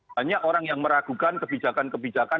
banyak orang yang meragukan kebijakan kebijakan